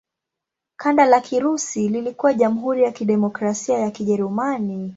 Kanda la Kirusi lilikuwa Jamhuri ya Kidemokrasia ya Kijerumani.